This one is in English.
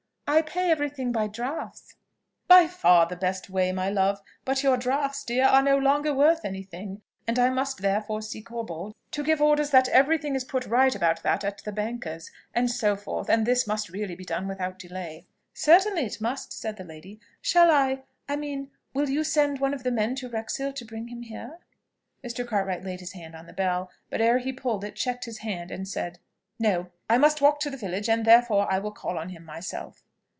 "I pay every thing by drafts." "By far the best way, my love. But your drafts, dear, are no longer worth any thing; and I must therefore see Corbold, to give orders that every thing is put right about that at the banker's, and so forth: and this must really be done without delay." "Certainly it must," said the lady. "Shall I ... I mean, will you send one of the men to Wrexhill to bring him here?" Mr. Cartwright laid his hand on the bell, but, ere he pulled it, checked his hand, and said, "No! I must walk to the village, and therefore I will call on him myself."